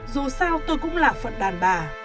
dù sao tôi cũng là phận đàn bà